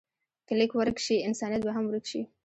که لیک ورک شي، انسانیت به هم ورک شي.